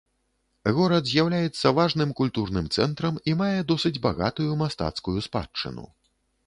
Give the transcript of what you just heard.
Горад з'яўляецца важным культурным цэнтрам і мае досыць багатую мастацкую спадчыну.